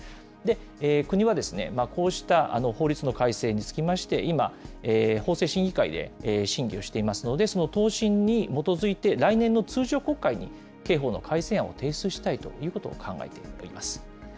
国はこうした法律の改正につきまして、今、法制審議会で審議をしていますので、その答申に基づいて、来年の通常国会に刑法の改正案を提出したいということを考えております。